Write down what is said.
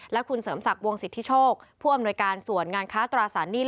และคุณเสริมศักดิ์วงสิทธิโชคผู้อำนวยการส่วนงานค้าตราสารหนี้